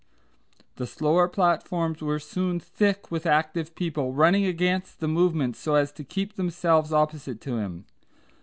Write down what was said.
The slower platforms were soon thick with active people, running against the movement so as to keep themselves opposite to him.